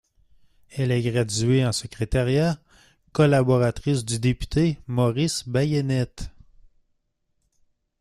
Elle est graduée en secrétariat; Collaboratrice du Député Maurice Bayenet.